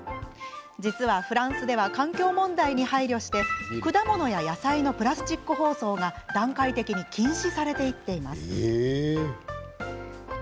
実は、フランスでは環境問題に配慮して果物や野菜のプラスチック包装が段階的に禁止されていっています。